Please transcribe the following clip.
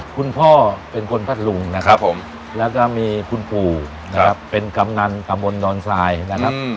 คุณพ่อเป็นคนพัทธลุงนะครับผมแล้วก็มีคุณปู่นะครับเป็นกำนันตะบนดอนทรายนะครับ